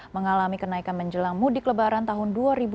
mengalami kenaikan menjelang mudik lebaran tahun dua ribu dua puluh